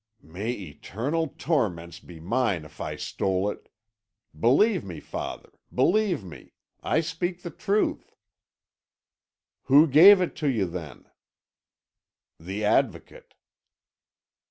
"May eternal torments be mine if I stole it! Believe me, father believe me. I speak the truth." "Who gave it to you, then?" "The Advocate."